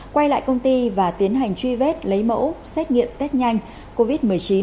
quay lại công ty và tiến hành truy vết lấy mẫu xét nghiệm test nhanh covid một mươi chín